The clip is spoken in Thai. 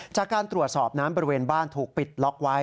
จากการตรวจสอบน้ำบริเวณบ้านถูกปิดล็อกไว้